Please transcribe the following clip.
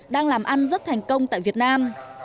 đang làm ăn rất thành công tại việt nam